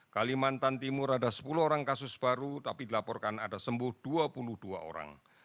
kalimantan timur ada sepuluh orang kasus baru tapi dilaporkan ada sembuh dua puluh dua orang